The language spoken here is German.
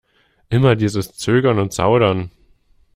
Immer dieses Zögern und Zaudern!